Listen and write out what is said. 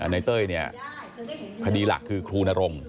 ในเต้ยเนี่ยคดีหลักคือครูนรงค